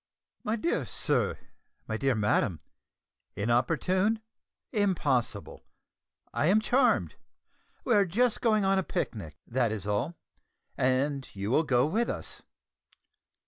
"My dear sir, my dear madam, inopportune! impossible! I am charmed. We are just going on a picnic, that is all, and you will go with us.